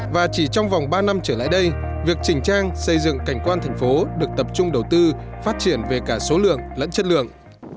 và chỉ trong vòng ba năm trở lại đây việc chỉnh trang xây dựng cảnh quan thành phố được tập trung đầu tư phát triển về cả số lượng lẫn chất lượng